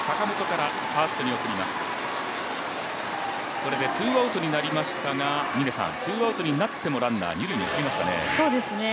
これでツーアウトになりましたがツーアウトになってもランナー、二塁になりましたね。